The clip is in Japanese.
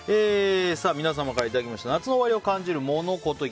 皆さんからいただいた夏の終わりを感じるモノ・コト。